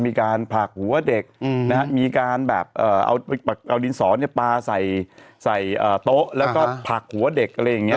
มีการผลักหัวเด็กมีการแบบเอาดินสอปลาใส่โต๊ะแล้วก็ผลักหัวเด็กอะไรอย่างนี้